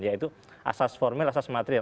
yaitu asas formil asas material